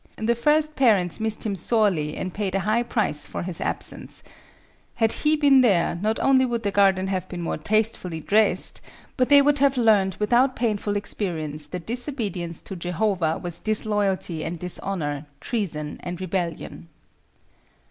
The first parents missed him sorely and paid a high price for his absence. Had he been there, not only would the garden have been more tastefully dressed, but they would have learned without painful experience that disobedience to Jehovah was disloyalty and dishonor, treason and rebellion.